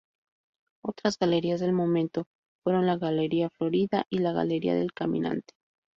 Otras galerías del momento fueron la "Galería Florida" y la "Galería del Caminante".